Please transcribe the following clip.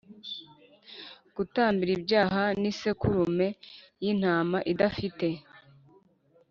gutambira ibyaha n isekurume y intama idafite